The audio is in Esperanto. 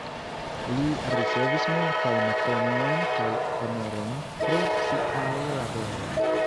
Li ricevis multajn premiojn kaj honorojn pro siaj laboroj.